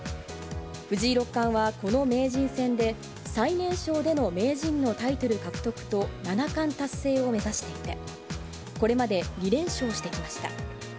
藤井六冠はこの名人戦で、最年少での名人のタイトル獲得と、七冠達成を目指していて、これまで２連勝してきました。